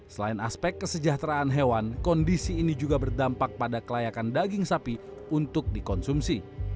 selain aspek kesejahteraan hewan kondisi ini juga berdampak pada kelayakan daging sapi untuk dikonsumsi